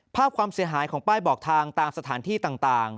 ความเสียหายของป้ายบอกทางตามสถานที่ต่าง